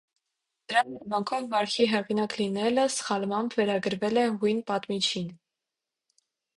Դրա հետևանքով վարքի հեղինակ լինելը սխալմամբ վերագրվել է հույն պատմիչին։